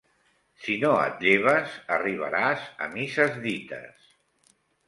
Si no et lleves, arribaràs a misses dites.